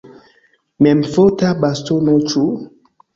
Memfota bastono, ĉu?